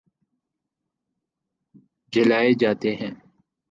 جلائے جاتے ہیں